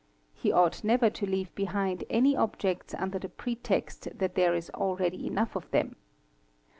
He ought never to leave behind any objects under the pretext that there is already enough of them.